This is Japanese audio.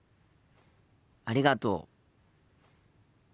ありがとう。